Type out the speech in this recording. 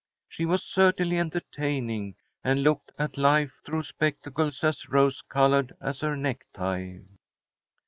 She was certainly entertaining, and looked at life through spectacles as rose coloured as her necktie.